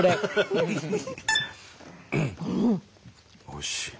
おいしい。